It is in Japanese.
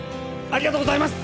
ありがとうございます！